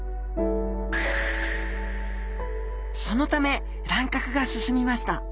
そのため乱獲が進みました。